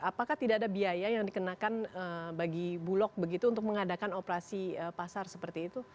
apakah tidak ada biaya yang dikenakan bagi bulog begitu untuk mengadakan operasi pasar seperti itu